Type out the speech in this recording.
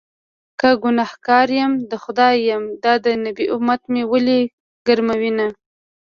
که ګنهکار يمه د خدای یم- دا د نبي امت مې ولې ګرموینه